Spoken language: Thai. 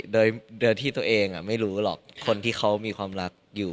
โดยที่ตัวเองไม่รู้หรอกคนที่เขามีความรักอยู่